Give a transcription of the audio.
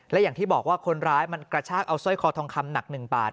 และอย่างที่บอกว่าคนร้ายมันกระชากเอาสร้อยคอทองคำหนัก๑บาท